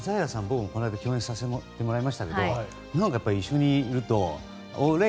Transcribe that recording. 僕もこの間共演させてもらいましたけど一緒にいるとオレ！